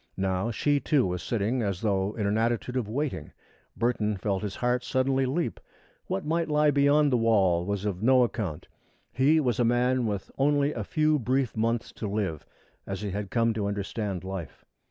Now she, too, was sitting as though in an attitude of waiting. Burton felt his heart suddenly leap. What might lie beyond the wall was of no account. He was a man with only a few brief months to live, as he had come to understand life.